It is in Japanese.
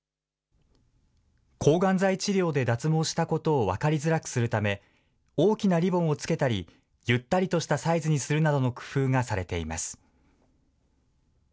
抗がん剤治療で脱毛したことを分かりづらくするため、大きなリボンを付けたり、ゆったりとしたサイズにするなどの工夫がされています。